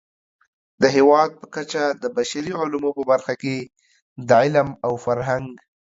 د هېواد په کچه د بشري علومو په برخه کې د علم او فرهنګ